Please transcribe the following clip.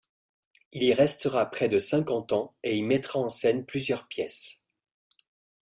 Il y restera près de cinquante ans et y mettra en scène plusieurs pièces.